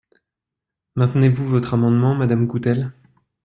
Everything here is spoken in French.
Maintenez-vous votre amendement, madame Coutelle?